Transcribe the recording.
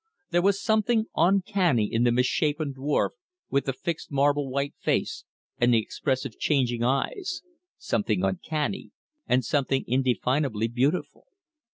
There was something uncanny in the misshapen dwarf with the fixed marble white face and the expressive changing eyes, something uncanny, and something indefinably beautiful.